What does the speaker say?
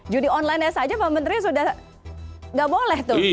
judi onlinenya saja pak menteri sudah nggak boleh tuh